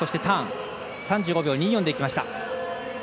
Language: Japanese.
３５秒２４でいきました。